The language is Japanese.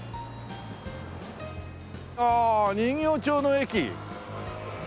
ああ人形町の駅。